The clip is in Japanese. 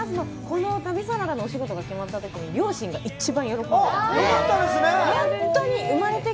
この旅サラダのお仕事が決まったときに両親が一番喜んでくれて。